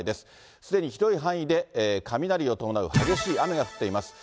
すでに広い範囲で雷を伴う激しい雨が降っています。